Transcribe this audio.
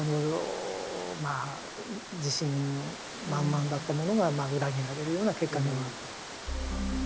まあ自信満々だったものが裏切られるような結果にもなった。